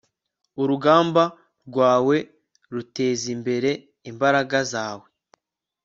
urugamba rwawe rutezimbere imbaraga zawe